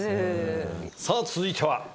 さあ続いては？